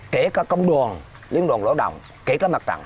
kể cả công đoàn liên đoàn lỗ đồng kể cả mặt trạng